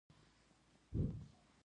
ایران یو څو قومي هیواد دی.